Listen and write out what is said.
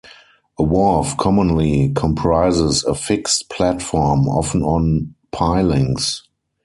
A wharf commonly comprises a fixed platform, often on pilings.